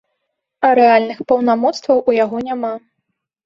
Рэальных паўнамоцтваў у яго няма.